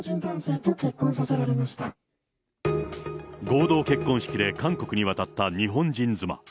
合同結婚式で韓国に渡った日本人妻。